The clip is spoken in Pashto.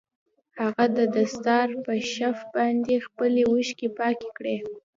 هغه د دستار په شف باندې خپلې اوښکې پاکې کړې.